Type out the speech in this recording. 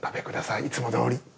いつもどおり。